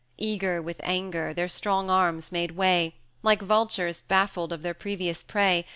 Eager with anger, their strong arms made way, Like vultures baffled of their previous prey.